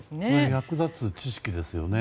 役立つ知識ですよね。